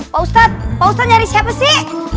pak ustadz pak ustadz nyari siapa sih